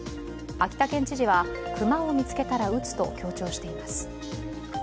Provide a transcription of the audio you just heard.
秋田県知事は熊を見つけたら撃つと強調しています。